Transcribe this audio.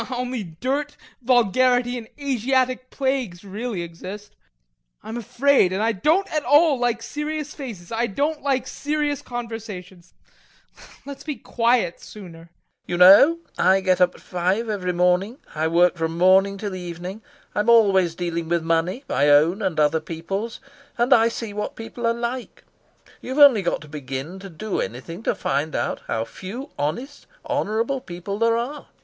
Only dirt, vulgarity, and Asiatic plagues really exist.... I'm afraid, and I don't at all like serious faces; I don't like serious conversations. Let's be quiet sooner. LOPAKHIN. You know, I get up at five every morning, I work from morning till evening, I am always dealing with money my own and other people's and I see what people are like. You've only got to begin to do anything to find out how few honest, honourable people there are.